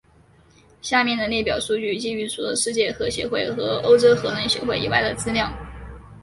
下面的列表数据基于除了世界核协会和欧洲核能协会以外的资料。